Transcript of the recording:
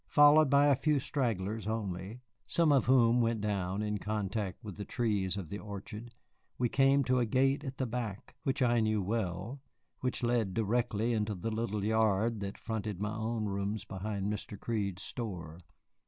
Followed by a few stragglers only (some of whom went down in contact with the trees of the orchard), we came to a gate at the back which I knew well, which led directly into the little yard that fronted my own rooms behind Mr. Crede's store.